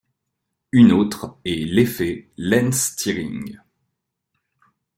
Une autre est l'effet Lense-Thirring.